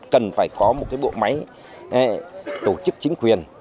cần phải có một bộ máy tổ chức chính quyền